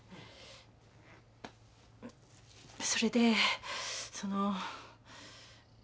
それでそのう。